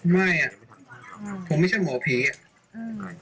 ไม่อ่ะผมไม่ใช่หมอผีอ่ะ